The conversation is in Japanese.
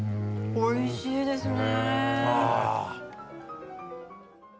おいしいですね。